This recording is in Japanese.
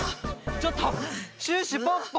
ちょっとシュッシュポッポ！